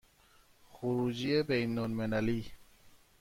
خروجی بین المللی